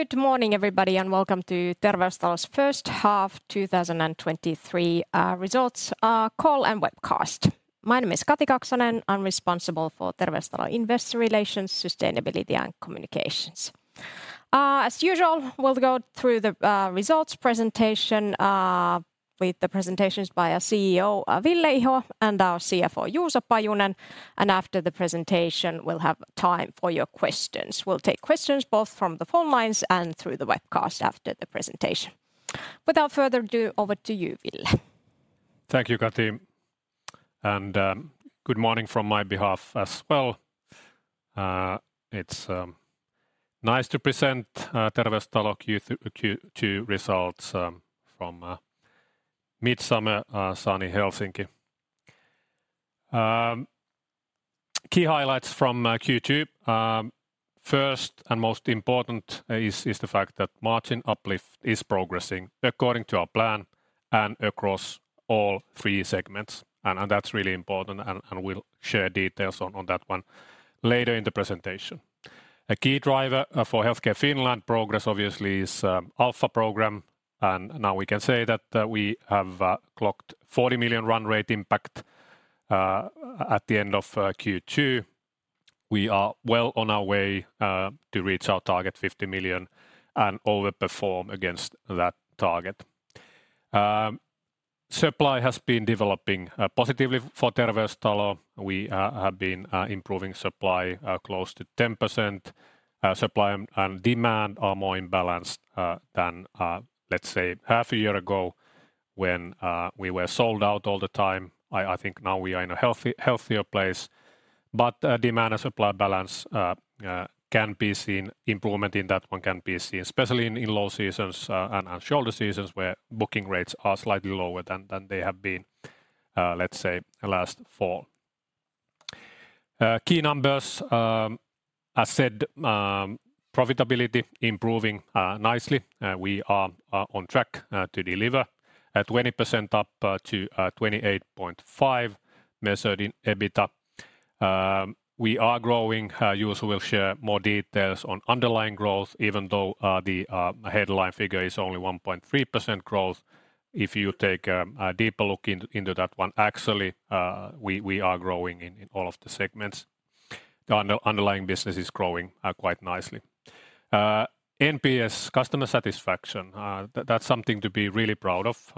Good morning, everybody, and welcome to Terveystalo's first half 2023 results call and webcast. My name is Kati Kaksonen. I am responsible for Terveystalo Investor Relations, Sustainability, and Communications. As usual, we will go through the results presentation with the presentations by our CEO, Ville Iho, and our CFO, Juuso Pajunen. After the presentation, we will have time for your questions. We will take questions both from the phone lines and through the webcast after the presentation. Without further ado, over to you, Ville. Thank you, Kati, and good morning from my behalf as well. It is nice to present Terveystalo Q2 results from midsummer sunny Helsinki. Key highlights from Q2. First and most important is the fact that margin uplift is progressing according to our plan and across all three segments. That is really important, and we will share details on that one later in the presentation. A key driver for Healthcare Services progress, obviously, is Alpha program, and now we can say that we have clocked 40 million run rate impact at the end of Q2. We are well on our way to reach our target 50 million and overperform against that target. Supply has been developing positively for Terveystalo. We have been improving supply close to 10%. Supply and demand are more in balance than, let us say, half a year ago when we were sold out all the time. I think now we are in a healthier place. Demand and supply balance, improvement in that one can be seen, especially in low seasons and shoulder seasons where booking rates are slightly lower than they have been, let us say, last fall. Key numbers. As said, profitability improving nicely. We are on track to deliver at 20% up to 28.5% measured in EBITDA. We are growing. Juuso will share more details on underlying growth, even though the headline figure is only 1.3% growth. If you take a deeper look into that one, actually we are growing in all of the segments. The underlying business is growing quite nicely. NPS customer satisfaction. That is something to be really proud of.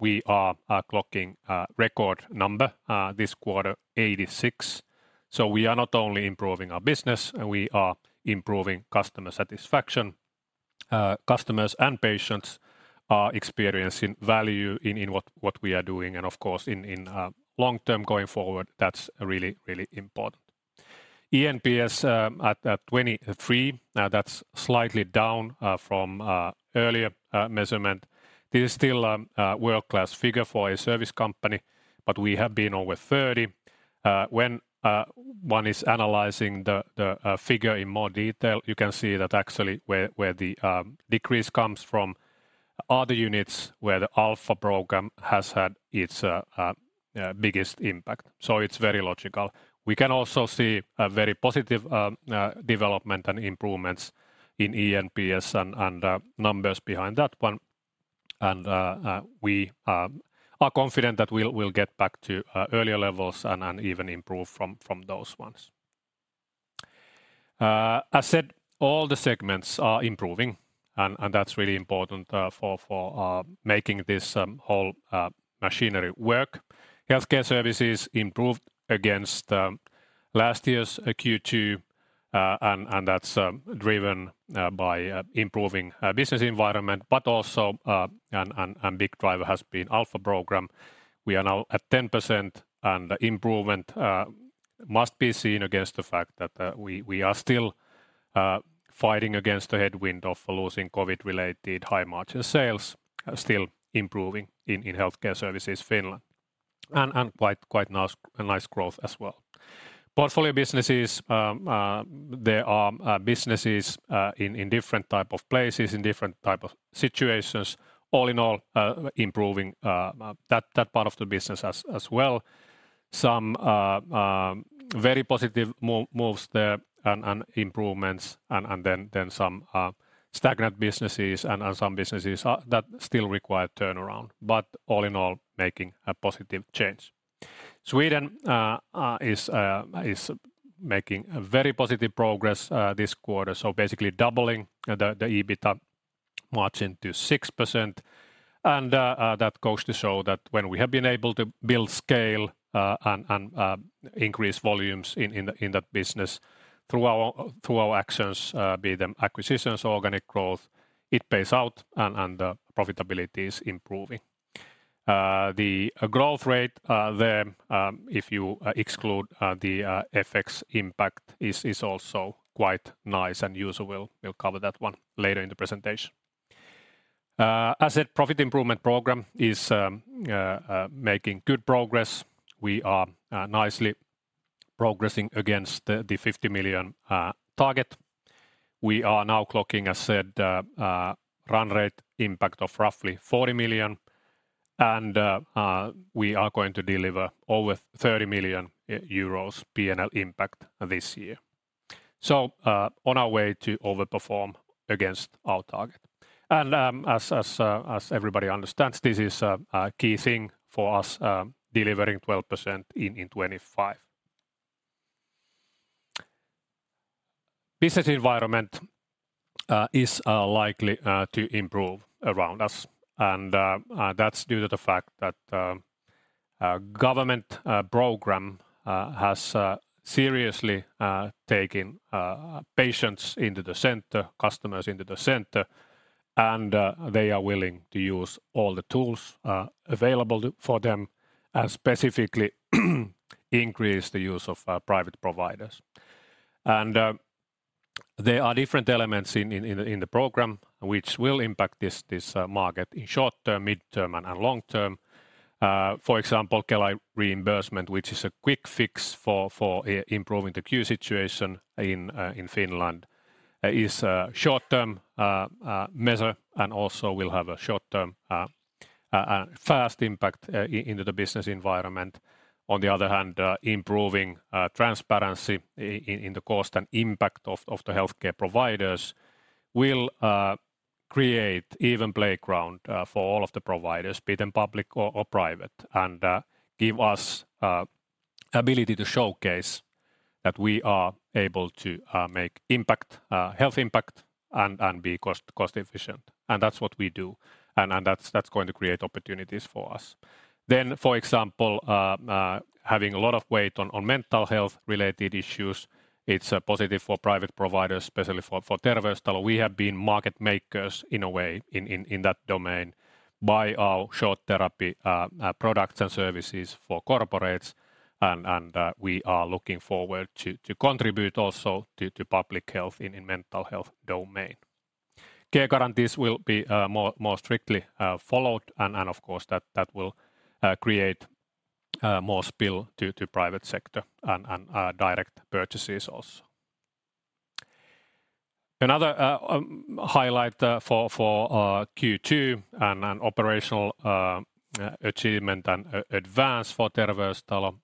We are clocking a record number this quarter, 86. We are not only improving our business, we are improving customer satisfaction. Customers and patients are experiencing value in what we are doing. Of course, in long term, going forward, that is really, really important. eNPS at 23. That is slightly down from earlier measurement. This is still a world-class figure for a service company, but we have been over 30. When one is analyzing the figure in more detail, you can see that actually where the decrease comes from are the units where the Alpha program has had its biggest impact. It is very logical. We can also see a very positive development and improvements in eNPS and numbers behind that one. We are confident that we will get back to earlier levels and even improve from those ones. As said, all the segments are improving, and that is really important for making this whole machinery work. Healthcare Services improved against last year's Q2. That's driven by improving business environment, but also a big driver has been Alpha program. We are now at 10%, and the improvement must be seen against the fact that we are still fighting against the headwind of losing COVID-related high-margin sales, still improving in Healthcare Services Finland, and quite nice growth as well. Portfolio businesses. There are businesses in different type of places, in different type of situations. All in all, improving that part of the business as well. Some very positive moves there and improvements. Then some stagnant businesses and some businesses that still require turnaround, all in all, making a positive change. Sweden is making a very positive progress this quarter, basically doubling the EBITDA margin to 6%. That goes to show that when we have been able to build scale and increase volumes in that business through our actions, be them acquisitions or organic growth, it pays out. The profitability is improving. The growth rate there, if you exclude the FX impact, is also quite nice. Juuso will cover that one later in the presentation. As said, profit improvement program is making good progress. We are nicely progressing against the 50 million target. We are now clocking, as said, run rate impact of roughly 40 million. We are going to deliver over 30 million euros P&L impact this year. On our way to over-perform against our target. As everybody understands, this is a key thing for us delivering 12% in 2025. Business environment is likely to improve around us. That's due to the fact that government program has seriously taken patients into the center, customers into the center. They are willing to use all the tools available for them, specifically increase the use of private providers. There are different elements in the program which will impact this market in short term, midterm, and long term. For example, Kela reimbursement, which is a quick fix for improving the queue situation in Finland, is a short-term measure, also will have a short-term and fast impact into the business environment. On the other hand, improving transparency in the cost and impact of the healthcare providers will create even playground for all of the providers, be them public or private, and give us ability to showcase that we are able to make health impact and be cost-efficient. That's what we do. That's going to create opportunities for us. For example, having a lot of weight on mental health-related issues, it's positive for private providers, especially for Terveystalo. We have been market makers in a way in that domain by our short therapy products and services for corporates. We are looking forward to contribute also to public health in mental health domain. Care guarantees will be more strictly followed, of course, that will create more spill to private sector and direct purchases also. Another highlight for Q2 and an operational achievement and advance for Terveystalo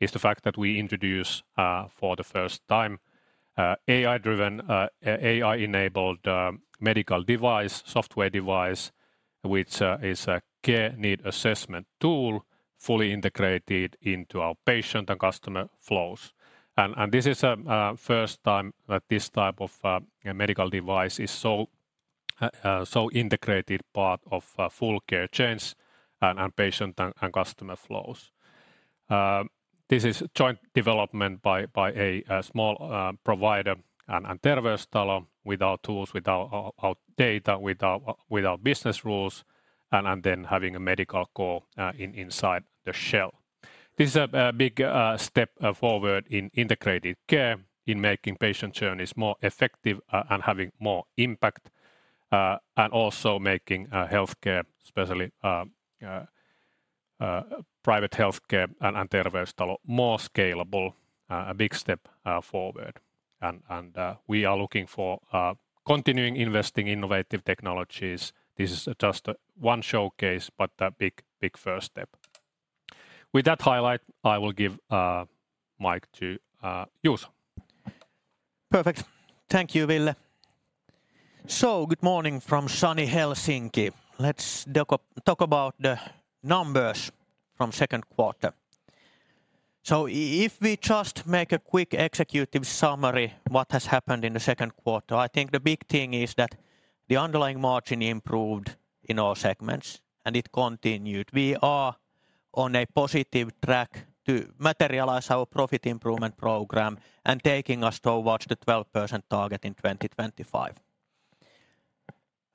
is the fact that we introduce for the first time AI-enabled medical device, software device, which is a care need assessment tool fully integrated into our patient and customer flows. This is a first time that this type of medical device is so integrated part of full care chains and patient and customer flows. This is joint development by a small provider and Terveystalo with our tools, with our data, with our business rules, and then having a medical core inside the shell. This is a big step forward in integrated care, in making patient journeys more effective and having more impact, and also making healthcare, especially private healthcare and Terveystalo, more scalable. A big step forward. We are looking for continuing investing innovative technologies. This is just one showcase, but a big first step. With that highlight, I will give mic to Juuso. Perfect. Thank you, Ville. Good morning from sunny Helsinki. Let's talk about the numbers from second quarter. If we just make a quick executive summary, what has happened in the second quarter, I think the big thing is that the underlying margin improved in all segments, and it continued. We are on a positive track to materialize our Profit Improvement Program and taking us towards the 12% target in 2025.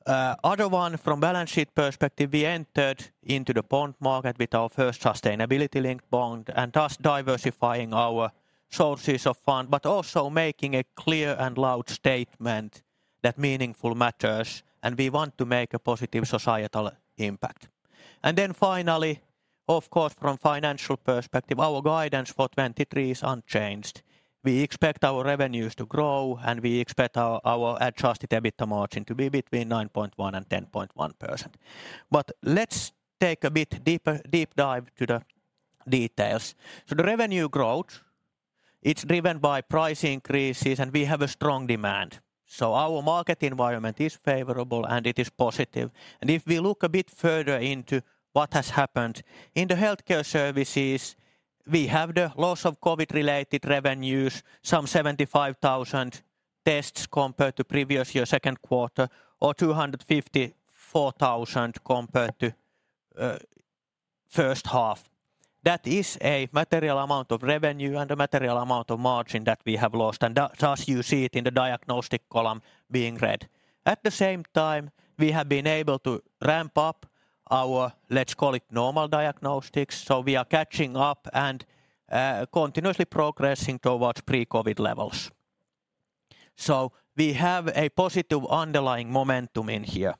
Other one from balance sheet perspective, we entered into the bond market with our first sustainability-linked bond and thus diversifying our sources of fund, but also making a clear and loud statement that meaningful matters, and we want to make a positive societal impact. Finally, of course, from financial perspective, our guidance for 2023 is unchanged. We expect our revenues to grow, and we expect our adjusted EBITDA margin to be between 9.1% and 10.1%. Let's take a bit deep dive to the details. The revenue growth, it's driven by price increases, and we have a strong demand. Our market environment is favorable, and it is positive. If we look a bit further into what has happened, in the Healthcare Services, we have the loss of COVID-related revenues, some 75,000 tests compared to previous year second quarter or 254,000 compared to first half. That is a material amount of revenue and a material amount of margin that we have lost, and thus you see it in the diagnostic column being red. At the same time, we have been able to ramp up our, let's call it, normal diagnostics. We are catching up and continuously progressing towards pre-COVID levels. We have a positive underlying momentum in here.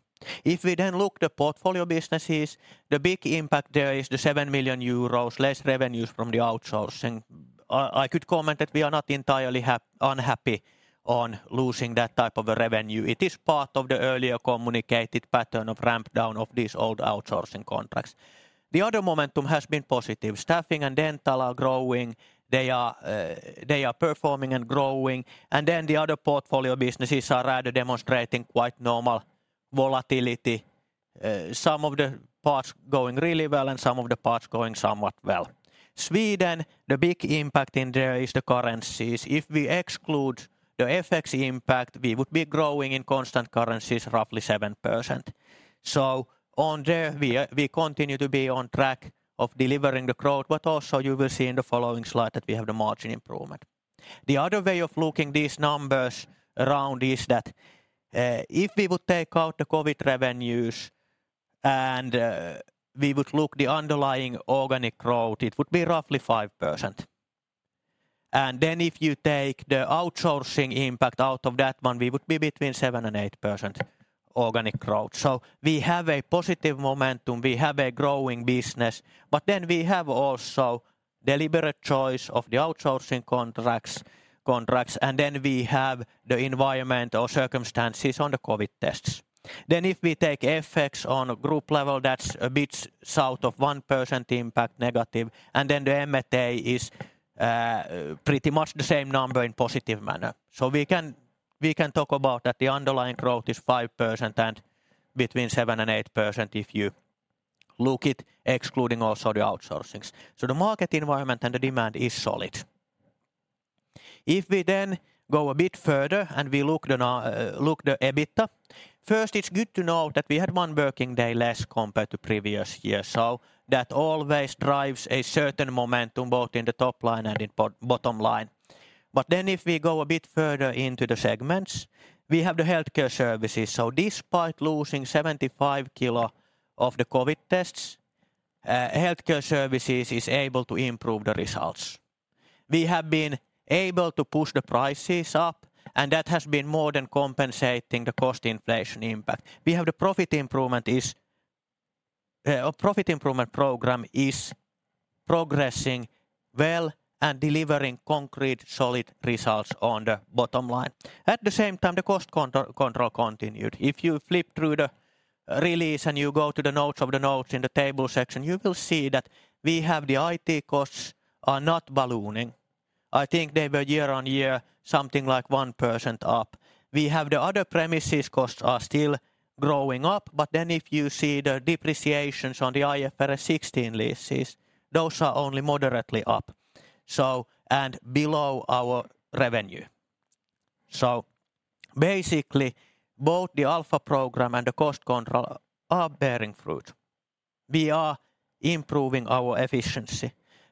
If we look the portfolio businesses, the big impact there is the 7 million euros less revenues from the outsourcing. I could comment that we are not entirely unhappy on losing that type of revenue. It is part of the earlier communicated pattern of ramp-down of these old outsourcing contracts. The other momentum has been positive. Staffing and dental are growing. They are performing and growing. The other portfolio businesses are rather demonstrating quite normal volatility, some of the parts going really well and some of the parts going somewhat well. Sweden, the big impact in there is the currencies. If we exclude the FX impact, we would be growing in constant currencies roughly 7%. On there, we continue to be on track of delivering the growth, but also you will see in the following slide that we have the margin improvement. The other way of looking these numbers around is that, if we would take out the COVID revenues and we would look the underlying organic growth, it would be roughly 5%. Then if you take the outsourcing impact out of that one, we would be between 7% and 8% organic growth. We have a positive momentum, we have a growing business, but then we have also deliberate choice of the outsourcing contracts, and then we have the environment or circumstances on the COVID tests. If we take FX on a group level, that's a bit south of 1% impact negative, and then the M&A is pretty much the same number in positive manner. We can talk about that the underlying growth is 5% and between 7% and 8% if you look it excluding also the outsourcings. The market environment and the demand is solid. If we go a bit further and we look the EBITDA, first it's good to know that we had one working day less compared to previous year, so that always drives a certain momentum both in the top line and in bottom line. If we go a bit further into the segments, we have the Healthcare Services. Despite losing 75,000 of the COVID tests, Healthcare Services is able to improve the results. We have been able to push the prices up, and that has been more than compensating the cost inflation impact. We have the Alpha program is progressing well and delivering concrete, solid results on the bottom line. At the same time, the cost control continued. If you flip through the release and you go to the notes of the notes in the table section, you will see that we have the IT costs are not ballooning. I think they were year-over-year something like 1% up. We have the other premises costs are still growing up, but then if you see the depreciations on the IFRS 16 leases, those are only moderately up and below our revenue. Basically, both the Alpha program and the cost control are bearing fruit. We are improving our efficiency.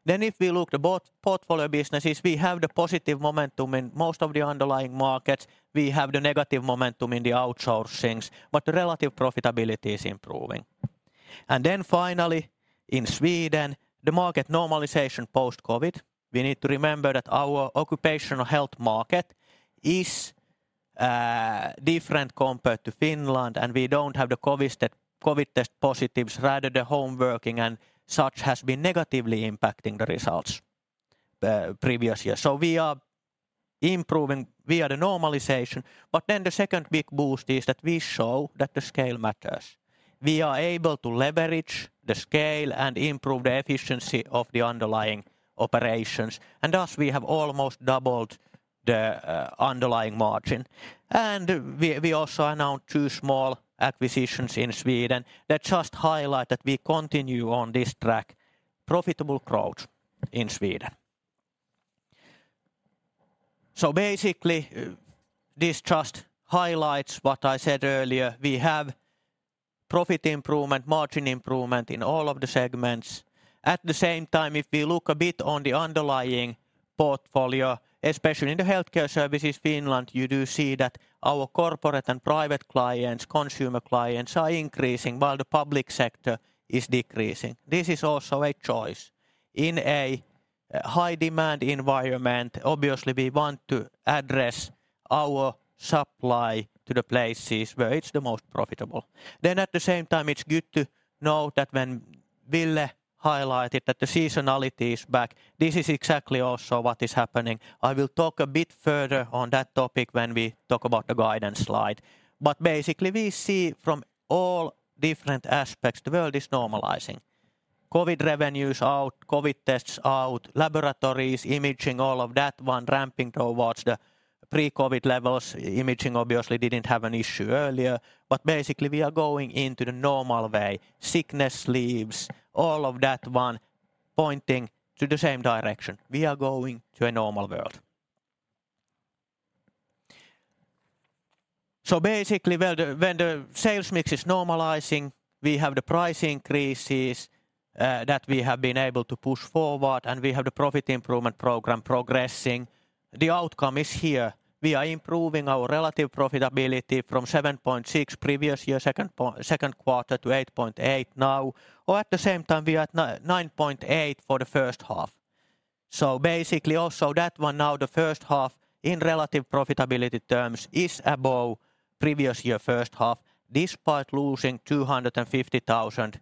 If we look the portfolio businesses, we have the positive momentum in most of the underlying markets. We have the negative momentum in the outsourcings, but the relative profitability is improving. Finally, in Sweden, the market normalization post-COVID. We need to remember that our occupational health market is different compared to Finland, and we don't have the COVID test positives. Rather, the home working and such has been negatively impacting the results previous year. We are improving via the normalization. The second big boost is that we show that the scale matters. We are able to leverage the scale and improve the efficiency of the underlying operations, and thus we have almost doubled the underlying margin. We also announced two small acquisitions in Sweden that just highlight that we continue on this track, profitable growth in Sweden. Basically, this just highlights what I said earlier. We have profit improvement, margin improvement in all of the segments. At the same time, if we look a bit on the underlying portfolio, especially in the Healthcare Services Finland, you do see that our corporate and private clients, consumer clients are increasing while the public sector is decreasing. This is also a choice. In a high-demand environment, obviously, we want to address our supply to the places where it's the most profitable. At the same time, it's good to note that when Ville highlighted that the seasonality is back, this is exactly also what is happening. I will talk a bit further on that topic when we talk about the guidance slide. Basically, we see from all different aspects, the world is normalizing. COVID revenues out, COVID tests out, laboratories, imaging, all of that one ramping towards the pre-COVID levels. Imaging obviously didn't have an issue earlier, but basically we are going into the normal way. Sickness leaves, all of that one pointing to the same direction. We are going to a normal world. Basically, when the sales mix is normalizing, we have the price increases that we have been able to push forward, and we have the Alpha program progressing. The outcome is here. We are improving our relative profitability from 7.6% previous year second quarter to 8.8% now, or at the same time, we are at 9.8% for the first half. Basically, also that one now the first half in relative profitability terms is above previous year first half, despite losing 250,000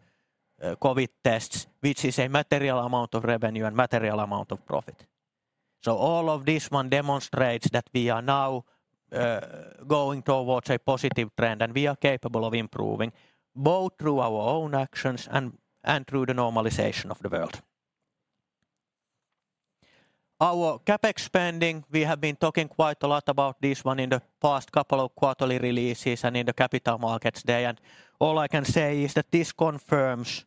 COVID tests, which is a material amount of revenue and material amount of revenue and profit. All of this one demonstrates that we are now going towards a positive trend, and we are capable of improving, both through our own actions and through the normalization of the world. Our CapEx spending, we have been talking quite a lot about this one in the past couple of quarterly releases and in the Capital Markets Day. All I can say is that this confirms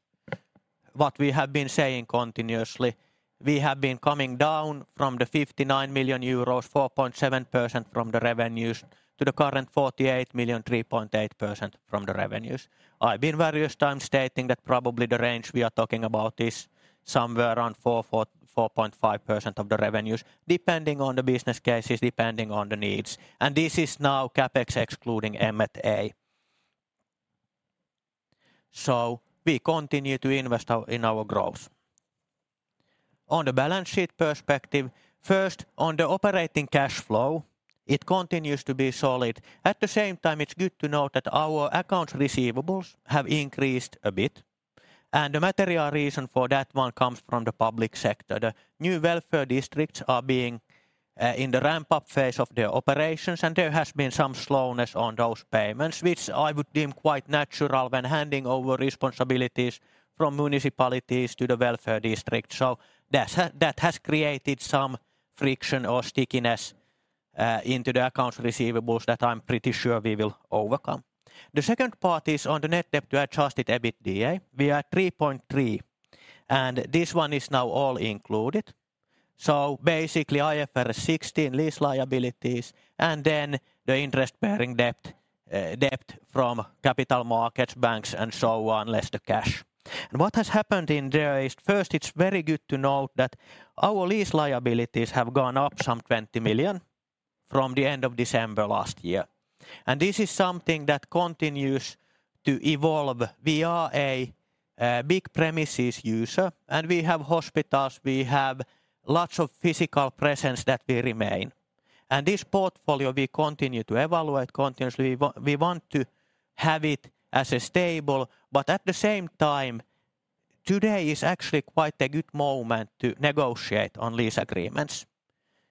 what we have been saying continuously. We have been coming down from the 59 million euros, 4.7% from the revenues, to the current 48 million, 3.8% from the revenues. I've been various times stating that probably the range we are talking about is somewhere around 4.5% of the revenues, depending on the business cases, depending on the needs. This is now CapEx excluding M&A. We continue to invest in our growth. On the balance sheet perspective, first on the operating cash flow, it continues to be solid. At the same time, it's good to note that our accounts receivables have increased a bit. The material reason for that one comes from the public sector. The new Wellbeing services counties are being in the ramp-up phase of their operations, and there has been some slowness on those payments, which I would deem quite natural when handing over responsibilities from municipalities to the Wellbeing services county. That has created some friction or stickiness into the accounts receivables that I'm pretty sure we will overcome. The second part is on the net debt to adjusted EBITDA. We are at 3.3x, and this one is now all included. Basically, IFRS 16 lease liabilities and then the interest-bearing debt from capital markets, banks and so on, less the cash. What has happened in there is first it's very good to note that our lease liabilities have gone up some 20 million from the end of December last year. This is something that continues to evolve via a big premises user, and we have hospitals, we have lots of physical presence that will remain. This portfolio we continue to evaluate continuously. We want to have it as a stable, but at the same time, today is actually quite a good moment to negotiate on lease agreements.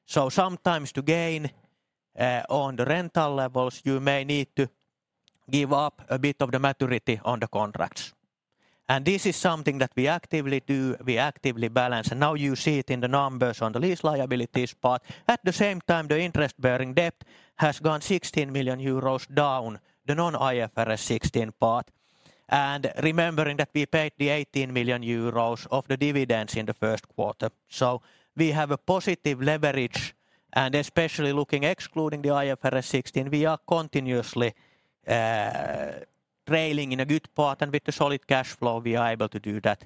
Sometimes to gain on the rental levels, you may need to give up a bit of the maturity on the contracts. This is something that we actively do, we actively balance, and now you see it in the numbers on the lease liabilities part. At the same time, the interest-bearing debt has gone 16 million euros down the non-IFRS 16 part. Remembering that we paid the 18 million euros of the dividends in the first quarter. We have a positive leverage, and especially looking excluding the IFRS 16, we are continuously trailing in a good part, and with the solid cash flow, we are able to do that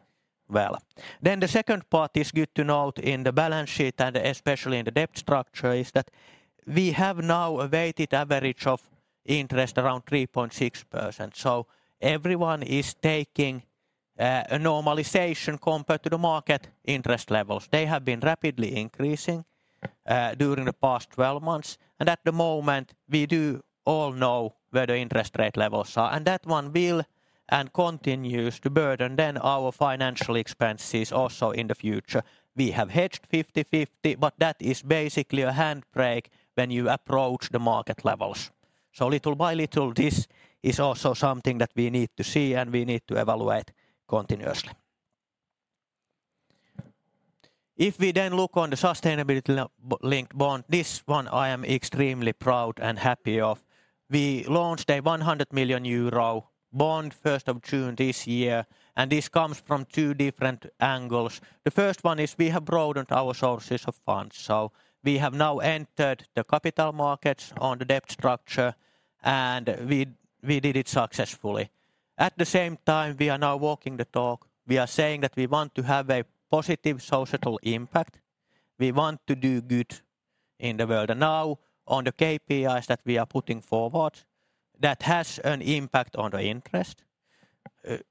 well. The second part is good to note in the balance sheet, and especially in the debt structure, is that we have now a weighted average of interest around 3.6%. Everyone is taking a normalization compared to the market interest levels. They have been rapidly increasing during the past 12 months. At the moment, we do all know where the interest rate levels are, and that one will and continues to burden then our financial expenses also in the future. We have hedged 50/50, but that is basically a handbrake when you approach the market levels. Little by little, this is also something that we need to see and we need to evaluate continuously. If we then look on the sustainability-linked bond, this one I am extremely proud and happy of. We launched a 100 million euro bond 1st of June this year, and this comes from two different angles. The first one is we have broadened our sources of funds. We have now entered the capital markets on the debt structure, and we did it successfully. At the same time, we are now walking the talk. We are saying that we want to have a positive societal impact. We want to do good in the world. Now, on the KPIs that we are putting forward, that has an impact on the interest.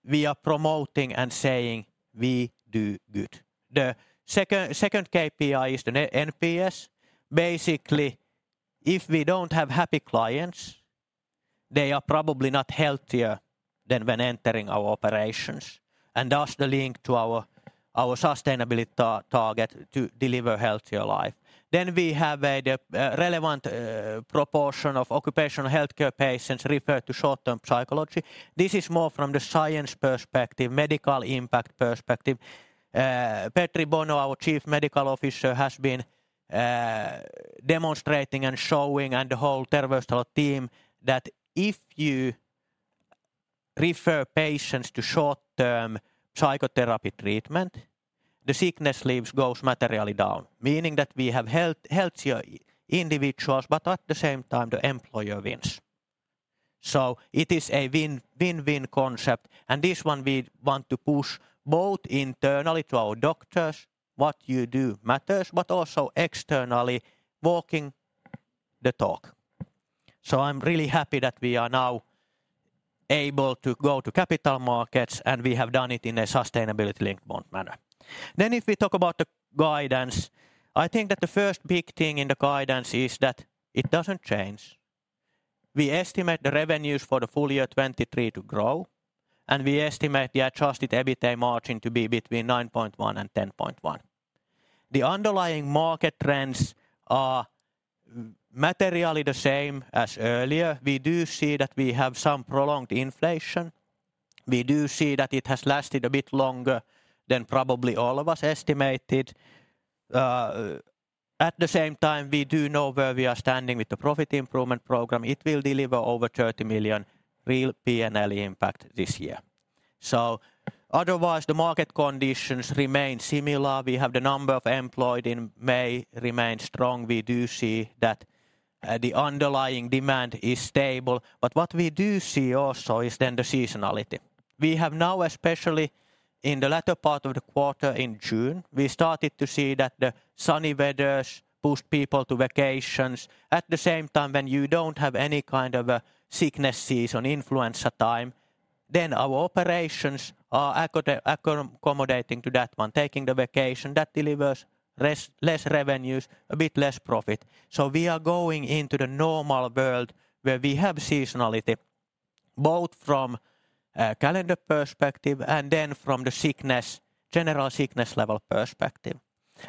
We are promoting and saying we do good. The second KPI is the NPS. Basically, if we don't have happy clients, they are probably not healthier than when entering our operations, and thus the link to our sustainability target to deliver healthier life. We have the relevant proportion of occupational healthcare patients referred to short-term psychology. This is more from the science perspective, medical impact perspective. Petri Bono, our Chief Medical Officer, has been demonstrating and showing, and the whole Terveystalo team, that if you refer patients to short-term psychotherapy treatment, the sickness leaves goes materially down, meaning that we have healthier individuals, but at the same time, the employer wins. It is a win-win concept, and this one we want to push both internally to our doctors, what you do matters, but also externally walking the talk. I am really happy that we are now able to go to capital markets, we have done it in a sustainability linked bond manner. If we talk about the guidance, I think that the first big thing in the guidance is that it doesn't change. We estimate the revenues for the full year 2023 to grow, we estimate the adjusted EBITDA margin to be between 9.1% and 10.1%. The underlying market trends are materially the same as earlier. We do see that we have some prolonged inflation. We do see that it has lasted a bit longer than probably all of us estimated. At the same time, we do know where we are standing with the Profit Improvement Program. It will deliver over 30 million real P&L impact this year. Otherwise, the market conditions remain similar. We have the number of employed in May remain strong. We do see that the underlying demand is stable, what we do see also is the seasonality. We have now, especially in the latter part of the quarter in June, we started to see that the sunny weathers pushed people to vacations. At the same time, when you don't have any kind of a sickness season, influenza time, our operations are accommodating to that one, taking the vacation. That delivers less revenues, a bit less profit. We are going into the normal world where we have seasonality, both from a calendar perspective and from the general sickness level perspective.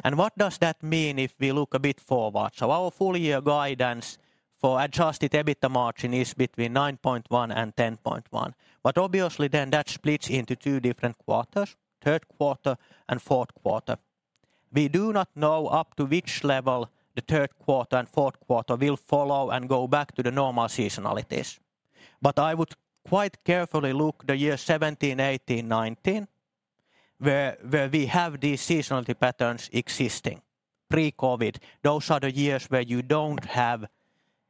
What does that mean if we look a bit forward? Our full year guidance for adjusted EBITDA margin is between 9.1% and 10.1%, obviously that splits into two different quarters, third quarter and fourth quarter. We do not know up to which level the third quarter and fourth quarter will follow and go back to the normal seasonalities. I would quite carefully look the year 2017, 2018, 2019, where we have these seasonality patterns existing pre-COVID. Those are the years where you don't have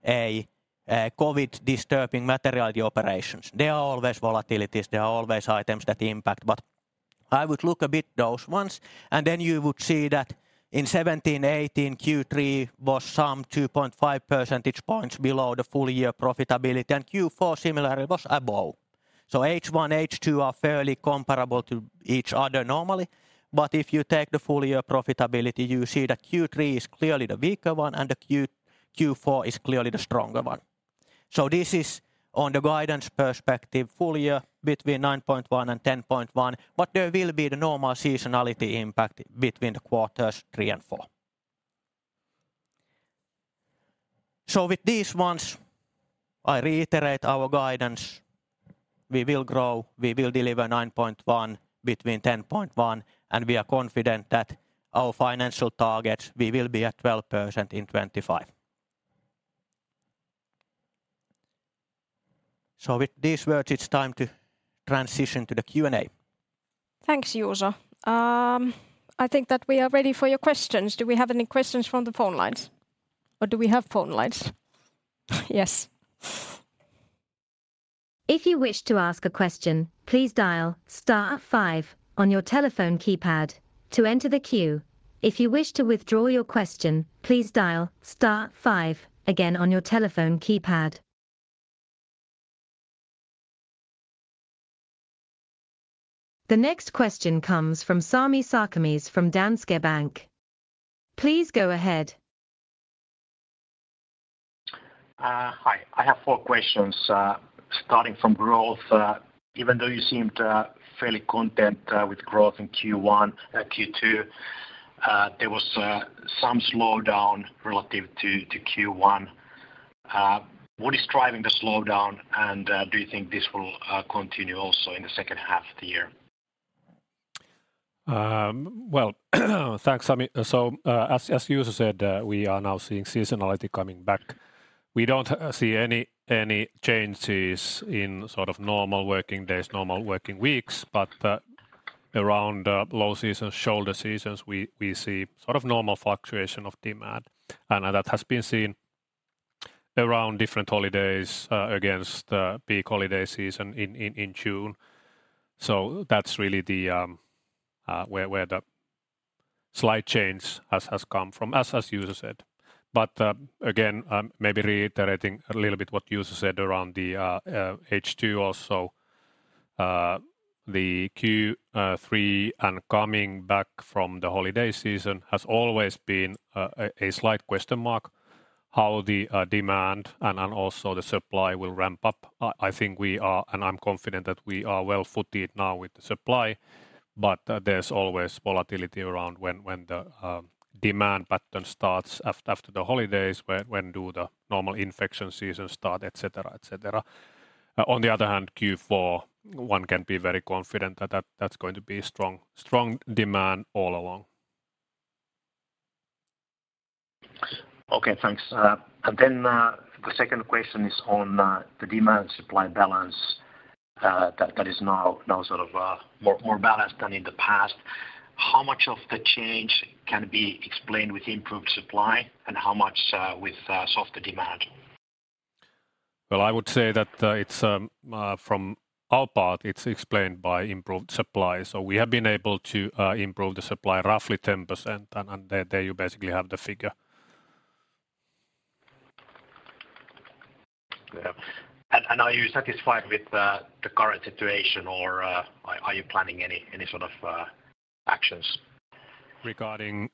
a COVID disturbing materially the operations. There are always volatilities, there are always items that impact, I would look a bit those ones. You would see that in 2017, 2018, Q3 was some 2.5 percentage points below the full-year profitability, and Q4 similarly was above. H1, H2 are fairly comparable to each other normally, if you take the full-year profitability, you see that Q3 is clearly the weaker one and the Q4 is clearly the stronger one. This is on the guidance perspective full year between 9.1% and 10.1%, there will be the normal seasonality impact between the quarters three and four. With these ones, I reiterate our guidance. We will grow, we will deliver 9.1% between 10.1%, we are confident that our financial targets, we will be at 12% in 2025. With these words, it's time to transition to the Q&A. Thanks, Juuso. I think that we are ready for your questions. Do we have any questions from the phone lines? Or do we have phone lines? Yes. If you wish to ask a question, please dial star five on your telephone keypad to enter the queue. If you wish to withdraw your question, please dial star five again on your telephone keypad. The next question comes from Sami Sarkamies from Danske Bank. Please go ahead. Hi. I have four questions. Starting from growth. Even though you seemed fairly content with growth in Q1, Q2, there was some slowdown relative to Q1. What is driving the slowdown, and do you think this will continue also in the second half of the year? Well, thanks, Sami. As Juuso said, we are now seeing seasonality coming back. We don't see any changes in sort of normal working days, normal working weeks, but around low seasons, shoulder seasons, we see sort of normal fluctuation of demand. That has been seen around different holidays against the peak holiday season in June. That's really where the slight change has come from, as Juuso said. Again, maybe reiterating a little bit what Juuso said around the H2 also, the Q3 and coming back from the holiday season has always been a slight question mark how the demand and also the supply will ramp up. I think we are, and I'm confident that we are well-footed now with the supply, but there's always volatility around when the demand pattern starts after the holidays, when do the normal infection seasons start, et cetera. Q4, one can be very confident that that's going to be strong demand all along. Okay, thanks. The second question is on the demand supply balance that is now sort of more balanced than in the past. How much of the change can be explained with improved supply and how much with softer demand? Well, I would say that from our part, it's explained by improved supply. We have been able to improve the supply roughly 10%, and there you basically have the figure. Yeah. Are you satisfied with the current situation, or are you planning any sort of actions? Regarding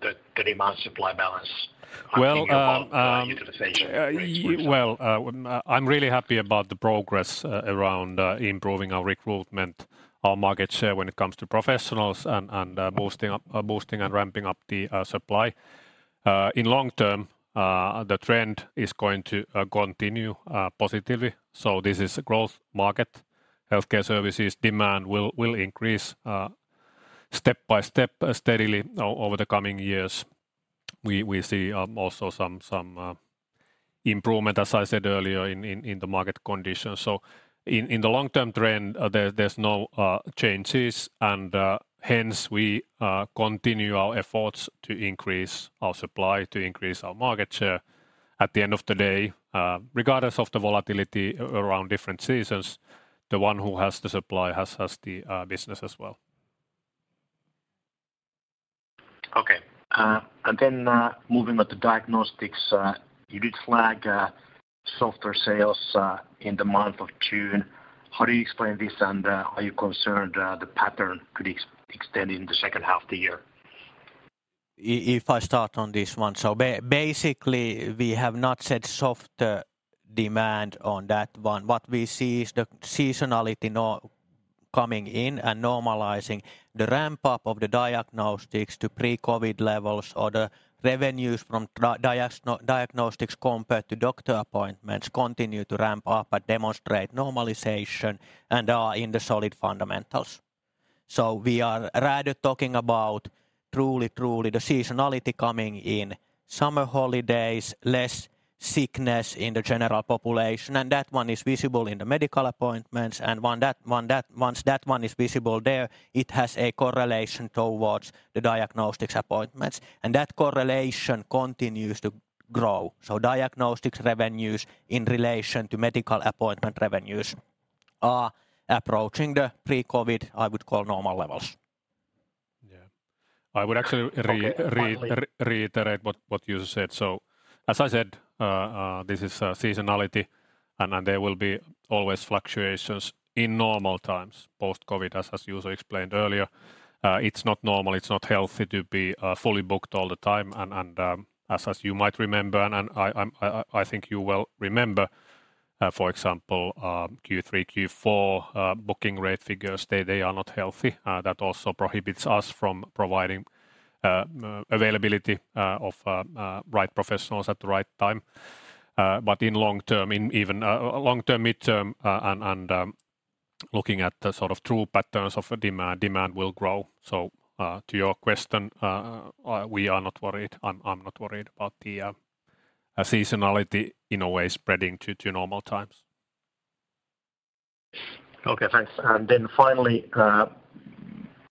The demand supply balance. I'm thinking about going into the season, right? Well, I'm really happy about the progress around improving our recruitment, our market share when it comes to professionals and boosting and ramping up the supply. In long term, the trend is going to continue positively. This is a growth market. Healthcare Services demand will increase step by step steadily over the coming years. We see also some improvement, as I said earlier, in the market conditions. In the long-term trend, there's no changes and hence we continue our efforts to increase our supply, to increase our market share. At the end of the day, regardless of the volatility around different seasons, the one who has the supply has the business as well. Okay. Then moving on to diagnostics. You did flag softer sales in the month of June. How do you explain this, and are you concerned the pattern could extend into second half the year? If I start on this one. Basically, we have not said softer demand on that one. What we see is the seasonality now coming in and normalizing the ramp-up of the diagnostics to pre-COVID levels, or the revenues from diagnostics compared to doctor appointments continue to ramp up and demonstrate normalization and are in the solid fundamentals. We are rather talking about truly the seasonality coming in summer holidays, less sickness in the general population, and that one is visible in the medical appointments. Once that one is visible there, it has a correlation towards the diagnostics appointments, and that correlation continues to grow. Diagnostics revenues in relation to medical appointment revenues are approaching the pre-COVID, I would call, normal levels. Yeah. Okay, finally reiterate what Juuso said. As I said, this is seasonality, and there will be always fluctuations in normal times post-COVID, as Juuso explained earlier. It's not normal, it's not healthy to be fully booked all the time, and as you might remember, and I think you well remember, for example, Q3, Q4 booking rate figures, they are not healthy. That also prohibits us from providing availability of right professionals at the right time. In long term, even long term, mid-term, and looking at the true patterns of demand will grow. To your question, we are not worried. I'm not worried about the seasonality in a way spreading to normal times. Okay, thanks. Finally,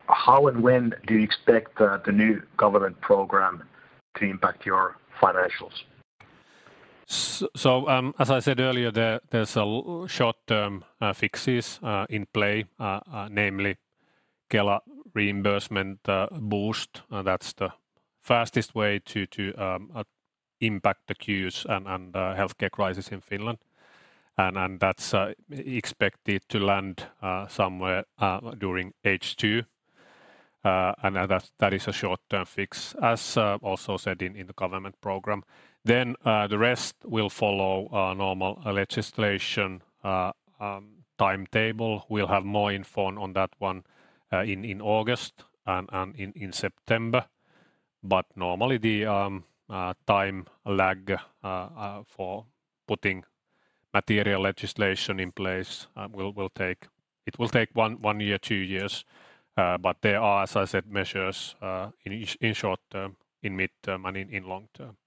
how and when do you expect the new government program to impact your financials? As I said earlier, there's short-term fixes in play. Namely Kela reimbursement boost. That's the fastest way to impact the queues and healthcare crisis in Finland, and that's expected to land somewhere during H2. That is a short-term fix, as also said in the government program. The rest will follow our normal legislation timetable. We'll have more info on that one in August and in September. Normally the time lag for putting material legislation in place will take one year, two years. There are, as I said, measures in short-term, in mid-term, and in long-term.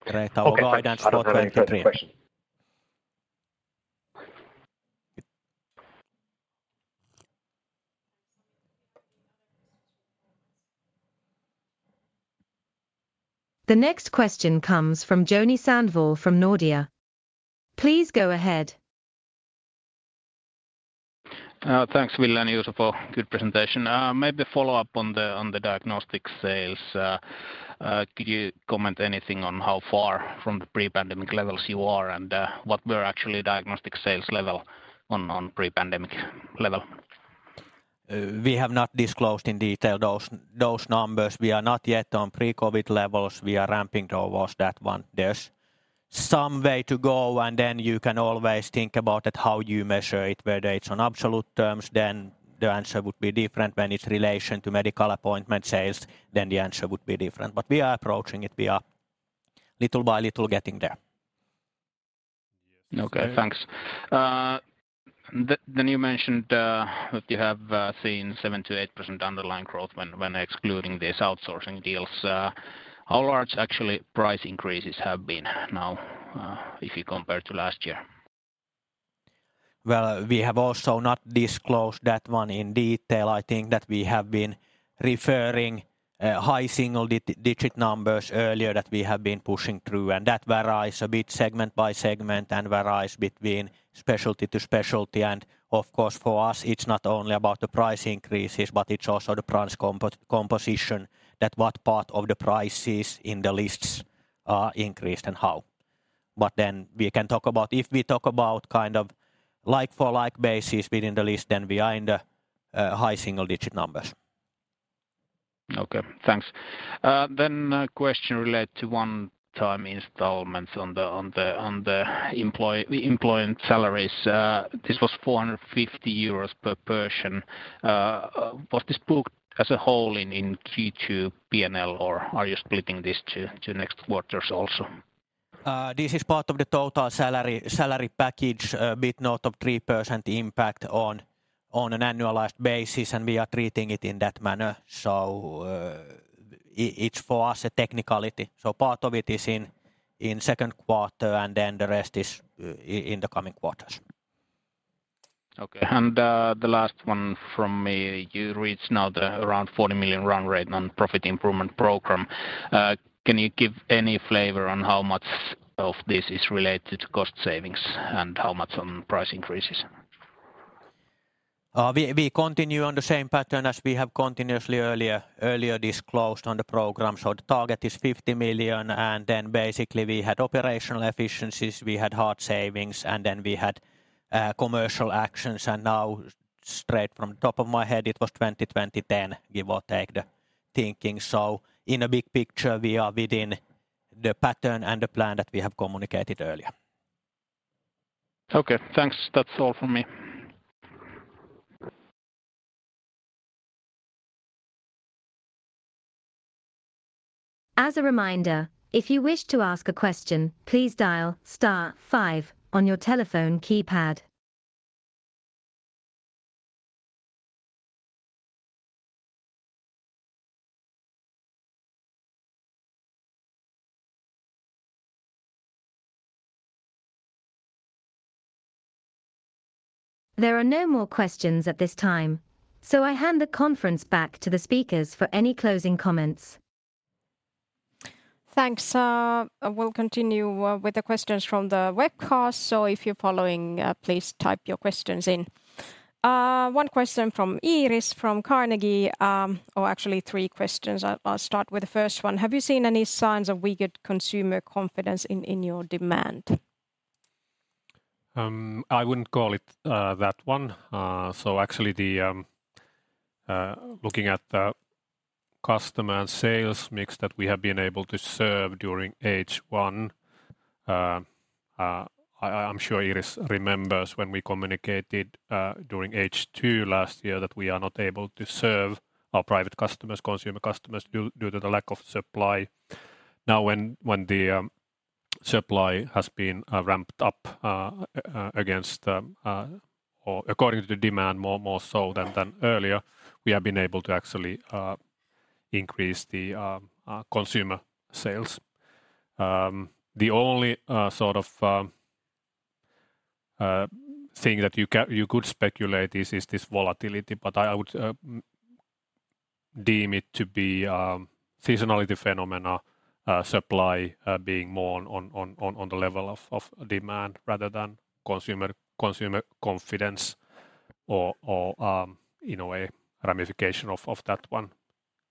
Great. Our guidance for 2023. Okay, thanks. I don't have any third question. The next question comes from Joni Sandvall from Nordea. Please go ahead. Thanks, Ville and Juuso, for good presentation. Maybe a follow-up on the diagnostics sales. Could you comment anything on how far from the pre-pandemic levels you are, and what were actually diagnostic sales level on pre-pandemic level? We have not disclosed in detail those numbers. We are not yet on pre-COVID levels. We are ramping towards that one. There's some way to go. You can always think about it how you measure it, whether it's on absolute terms, then the answer would be different. When it's relation to medical appointment sales, then the answer would be different. We are approaching it. We are little by little getting there. Okay, thanks. You mentioned that you have seen 7%-8% underlying growth when excluding these outsourcing deals. How large actually price increases have been now if you compare to last year? Well, we have also not disclosed that one in detail. I think that we have been referring high single-digit numbers earlier that we have been pushing through. That varies a bit segment by segment and varies between specialty to specialty. Of course, for us, it's not only about the price increases, but it's also the price composition that what part of the price is in the lists increased and how. We can talk about if we talk about like for like basis within the list, then we are in the high single-digit numbers. Okay, thanks. A question related to one-time installments on the employment salaries. This was 450 euros per person. Was this booked as a whole in Q2 P&L, or are you splitting this to next quarters also? This is part of the total salary package, a bit north of 3% impact on an annualized basis, we are treating it in that manner. It's for us a technicality. Part of it is in the second quarter, the rest is in the coming quarters. Okay. The last one from me, you reach now the around 40 million run rate on Alpha program. Can you give any flavor on how much of this is related to cost savings and how much on price increases? We continue on the same pattern as we have continuously earlier disclosed on the program. The target is 50 million. Basically we had operational efficiencies, we had hard savings, we had commercial actions. Straight from the top of my head, it was 20/20/10, give or take the thinking. In a big picture, we are within the pattern and the plan that we have communicated earlier. Okay, thanks. That's all from me. As a reminder, if you wish to ask a question, please dial star five on your telephone keypad. There are no more questions at this time. I hand the conference back to the speakers for any closing comments. Thanks. We'll continue with the questions from the webcast. If you're following, please type your questions in. One question from Iiris from Carnegie, or actually three questions. I'll start with the first one. Have you seen any signs of weakened consumer confidence in your demand? I wouldn't call it that one. Actually, looking at the customer and sales mix that we have been able to serve during H1, I'm sure Iiris remembers when we communicated during H2 last year that we are not able to serve our private customers, consumer customers, due to the lack of supply. Now when the supply has been ramped up according to demand more so than earlier, we have been able to actually increase the consumer sales. The only thing that you could speculate is this volatility, but I would deem it to be a seasonality phenomena, supply being more on the level of demand rather than consumer confidence or in a way ramification of that one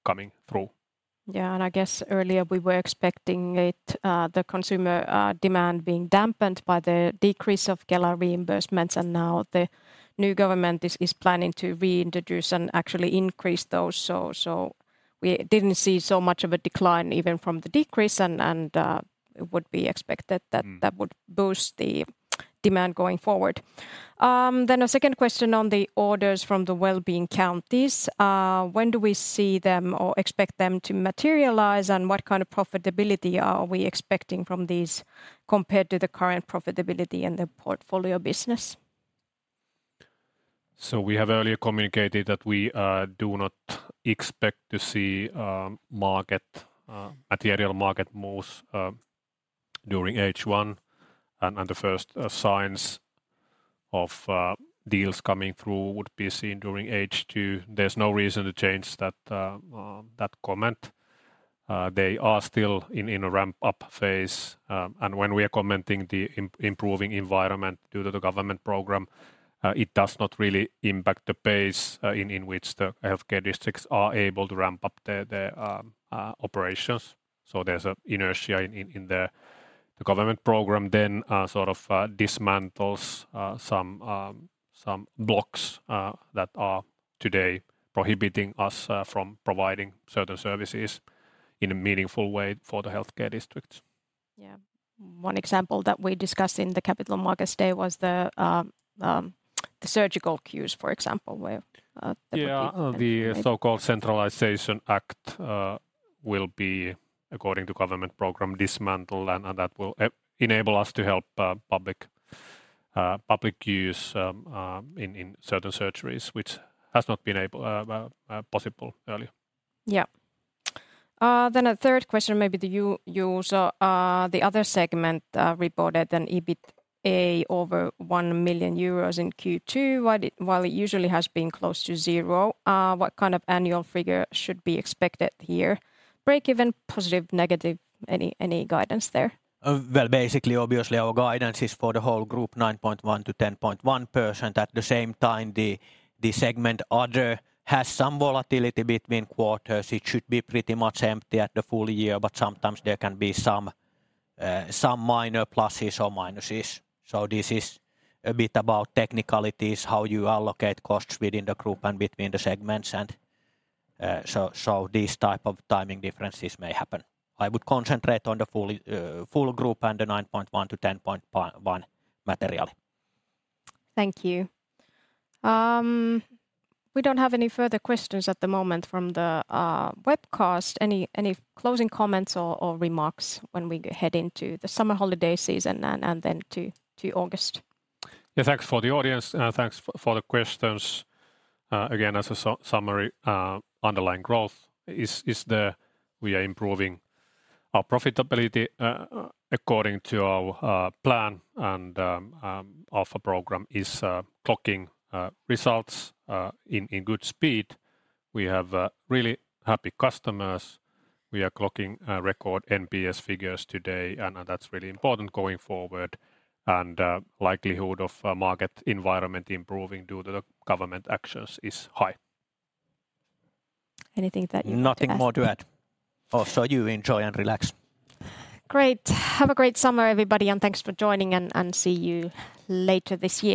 coming through. Yeah, I guess earlier we were expecting it, the consumer demand being dampened by the decrease of Kela reimbursements, now the new government is planning to reintroduce and actually increase those. We didn't see so much of a decline even from the decrease and it would be expected that that would boost the demand going forward. A second question on the orders from the Wellbeing counties. When do we see them or expect them to materialize, and what kind of profitability are we expecting from these compared to the current profitability in the portfolio business? We have earlier communicated that we do not expect to see material market moves during H1, the first signs of deals coming through would be seen during H2. There's no reason to change that comment. They are still in a ramp-up phase, and when we are commenting the improving environment due to the government program it does not really impact the pace in which the healthcare districts are able to ramp up their operations. There's an inertia in the government program then sort of dismantles some blocks that are today prohibiting us from providing certain services in a meaningful way for the healthcare districts. Yeah. One example that we discussed in the Capital Markets Day was the surgical queues, for example. Yeah the- The so-called Centralization Act will be, according to government program, dismantled, that will enable us to help public queues in certain surgeries, which has not been possible earlier. A third question, maybe to you, Juuso. The other segment reported an EBITA over 1 million euros in Q2, while it usually has been close to zero. What kind of annual figure should be expected here? Break even, positive, negative, any guidance there? Basically, obviously our guidance is for the whole group 9.1%-10.1%. At the same time, the segment Other has some volatility between quarters. It should be pretty much empty at the full year, sometimes there can be some minor pluses or minuses. This is a bit about technicalities, how you allocate costs within the group and between the segments. These type of timing differences may happen. I would concentrate on the full group and the 9.1%-10.1% material. Thank you. We don't have any further questions at the moment from the webcast. Any closing comments or remarks when we head into the summer holiday season and to August? Thanks for the audience and thanks for the questions. As a summary, underlying growth is there. We are improving our profitability according to our plan, our program is clocking results in good speed. We have really happy customers. We are clocking record NPS figures today, that's really important going forward. Likelihood of market environment improving due to the government actions is high. Anything that you would like to add? Nothing more to add. You enjoy and relax. Great. Have a great summer, everybody, and thanks for joining, and see you later this year.